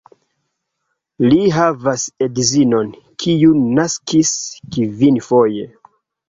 Li havas edzinon, kiu naskis kvinfoje.